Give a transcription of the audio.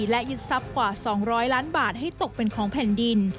และยึดทรัพย์กว่า๒๐๐ล้านบาทให้ตกเป็นของแผ่นดิน